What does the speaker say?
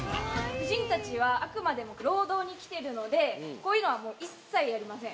夫人たちは、あくまでも労働に来ているので、こういうのはもう一切やりません。